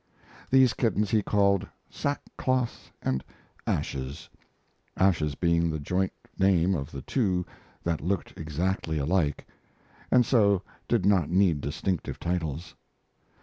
These kittens he called Sackcloth and Ashes Ashes being the joint name of the two that looked exactly alike, and so did not need distinctive titles.